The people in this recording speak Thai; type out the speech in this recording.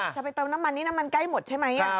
จะไปเติมน้ำมันนี่น้ำมันใกล้หมดใช่ไหม